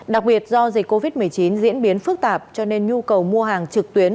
đặc biệt do dịch covid một mươi chín diễn biến phức tạp cho nên nhu cầu mua hàng trực tuyến